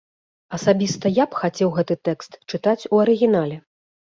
Асабіста я б хацеў гэты тэкст чытаць у арыгінале.